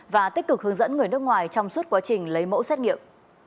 và tích cực hướng dẫn người nước ngoài trong suốt quá trình lấy mẫu xét nghiệm